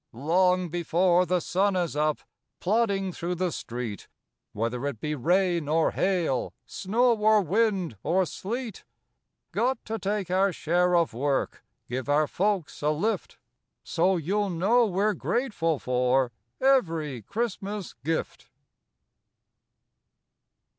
Long before the sun is up, Plodding through the street, Whether it be rain or hail, Snow or wind or sleet. Got to take our share of work, Give our folks a lift. So you'll know we're grateful for Every Christmas gift.